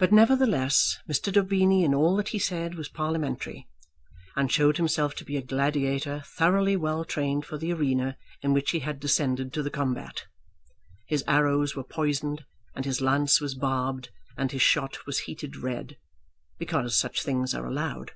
But, nevertheless, Mr. Daubeny in all that he said was parliamentary, and showed himself to be a gladiator thoroughly well trained for the arena in which he had descended to the combat. His arrows were poisoned, and his lance was barbed, and his shot was heated red, because such things are allowed.